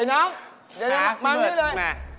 ไอ้น้องตลอดมานี่เลย